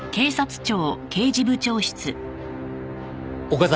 岡崎